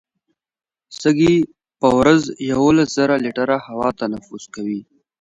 سږي په ورځ یوولس زره لیټره هوا تنفس کوي.